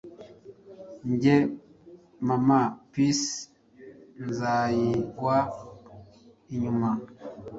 njye Maman Peace, nzayigwa inyuma